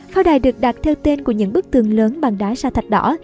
pháo đài được đặt theo tên của những bức tường lớn bằng đá sa thạch đỏ